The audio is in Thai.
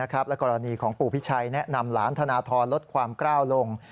และกรณีของปู่พิชัยแนะนำหลานธนทรลดความกล้าวลง